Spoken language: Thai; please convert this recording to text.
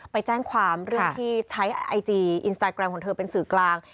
ไปแจ้งความเรื่องที่ใช้ไอจีอินสตาแกรมของเธอเป็นสื่อกลาง